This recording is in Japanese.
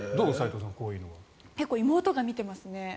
結構、妹が見てますね。